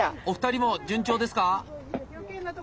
お二人も順調ですか？